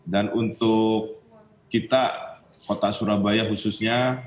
dan untuk kita kota surabaya khususnya